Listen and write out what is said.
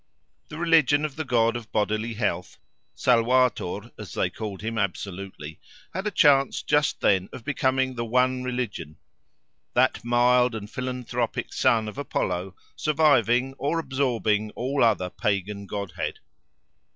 The religion of the god of bodily health, Salvator, as they called him absolutely, had a chance just then of becoming the one religion; that mild and philanthropic son of Apollo surviving, or absorbing, all other pagan godhead.